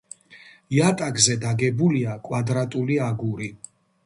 იატაკზე დაგებულია კვადრატული აგური.